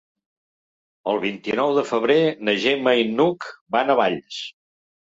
El vint-i-nou de febrer na Gemma i n'Hug van a Valls.